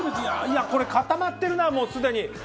いやこれ固まってるなもうすでに。